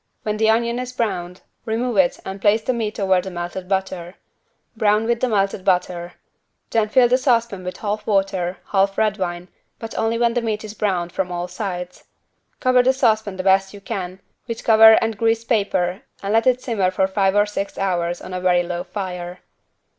When the onion is browned, remove it and place the meat over the melted butter. Brown with melted butter. Then fill the saucepan with half water, half red wine, but only when the meat is browned from all sides. Cover the saucepan the best you can, with cover and greased paper and let it simmer for five or six hours on a very low fire.